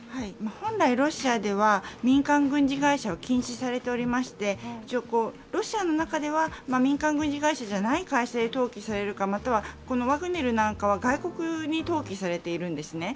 本来、ロシアでは民間軍事会社は禁止されていまして一応、ロシアの中では民間軍事じゃない改正登記されているかまたはこのワグネルなどは外国に登記されているんですね。